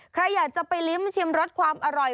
ใครอยากจะไปลิ้มชิมรสความอร่อย